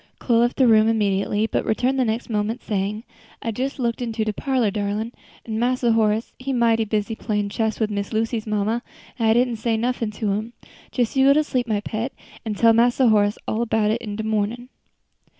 Chloe left the room immediately, but returned the next moment, saying, "I jes looked into de parlor, darlin', an' Mass Horace he mighty busy playin' chess wid Miss Lucy's mamma, an' I didn't say nuffin' to him. Jes you go sleep, my pet, an' tell Mass Horace all 'bout it in de mornin'."